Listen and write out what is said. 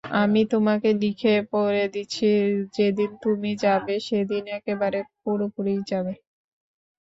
আমি তোমাকে লিখে পড়ে দিচ্ছি, যেদিন তুমি যাবে সেদিন একেবারে পুরোপুরিই যাবে।